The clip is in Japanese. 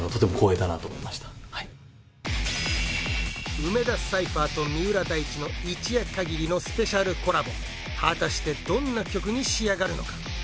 梅田サイファーと三浦大知の一夜限りのスペシャルコラボ果たしてどんな曲に仕上がるのか？